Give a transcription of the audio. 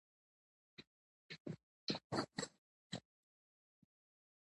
زه د سونا او یخو اوبو فعالیت په خوندي توګه ترسره کوم.